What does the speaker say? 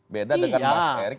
beda dengan mas erick